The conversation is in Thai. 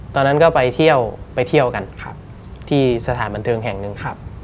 ตอนนั้นก็ไปเที่ยวไปเที่ยวกันที่สถานบันเทิงแห่งหนึ่ง